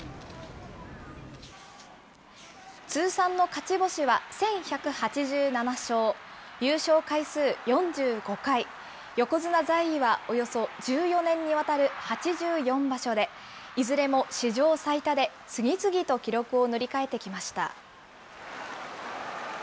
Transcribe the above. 通算の勝ち星は１１８７勝、優勝回数４５回、横綱在位はおよそ１４年にわたる８４場所で、いずれも史上最多で、次々と記録を塗り替えてきました。